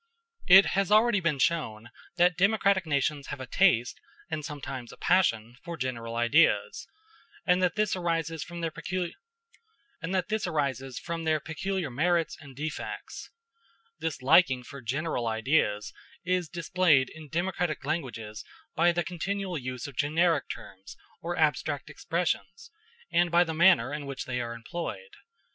It has already been shown that democratic nations have a taste, and sometimes a passion, for general ideas, and that this arises from their peculiar merits and defects. This liking for general ideas is displayed in democratic languages by the continual use of generic terms or abstract expressions, and by the manner in which they are employed.